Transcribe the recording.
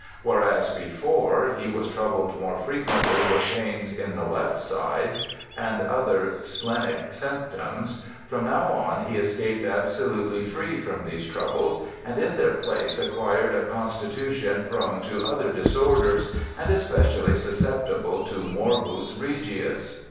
Whereas before he was troubled more frequently with pains in the left side, and other splenic symptoms, from now on he escaped absolutely free from these troubles, and in their place acquired a constitution prone to other disorders, and especially susceptible to morbus regius